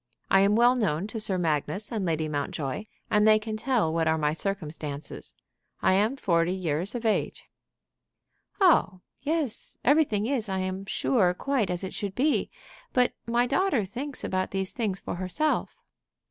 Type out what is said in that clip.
I am well known to Sir Magnus and Lady Mountjoy, and they can tell what are my circumstances. I am forty years of age." "Oh yes; everything is, I am sure, quite as it should be. But my daughter thinks about these things for herself."